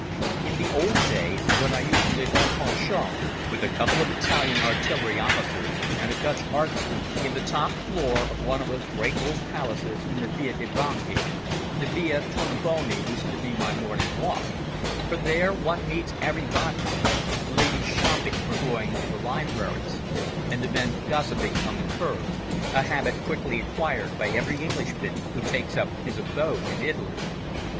In the old days, when I used to live en pension with a couple of Italian artillery officers and a Dutch art student in the top floor of one of those great old palaces in the Via dei Banchi, the Via Tornabuoni used to be my morning walk, for there one meets everybody, the ladies shopping or going to the libraries, and the men gossiping on the kerb a habit quickly acquired by every Englishman who takes up his abode in Italy.